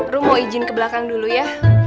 ru mau izin ke belakang dulu ya